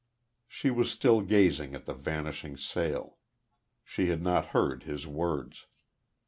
She was still gazing at the vanishing sail; she had not heard his words.